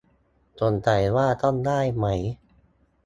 สงสัยว่าต้องไหว้ไหม